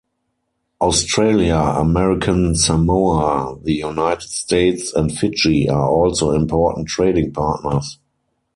Australia, American Samoa, the United States, and Fiji are also important trading partners.